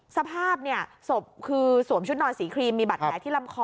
สภาพเนี่ยสวมชุดนอนสีครีมมีบัตรแหน่งที่ลำคอ